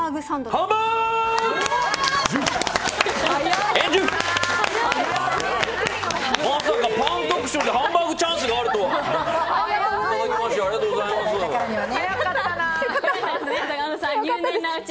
まさかパン特集でハンバーグチャンスがあるとは！